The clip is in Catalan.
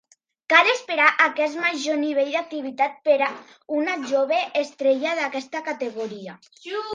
Cal esperar aquest major nivell d'activitat per a una jove estrella d'aquesta categoria.